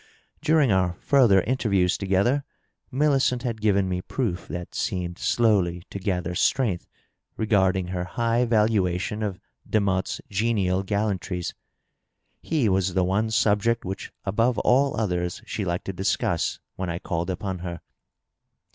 During our further interviews together Millicent had given me proof that seem3 slowly to gather strength regarding her hi^ valuation of Demotte's genial gallantries. He was the one subject which above all others she liked to discuss when I called upon her.